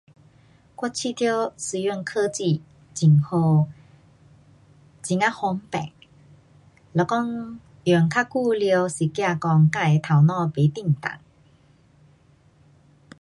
我觉得虽然科技很好，很呀方便，如果用较久了是怕讲自己的头脑不丁动。